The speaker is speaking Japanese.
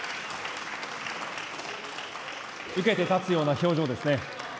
受けて立つような表情ですね。